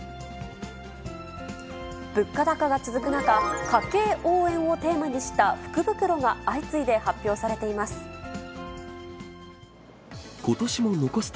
物価高が続く中、家計応援をテーマにした福袋が相次いで発表されています。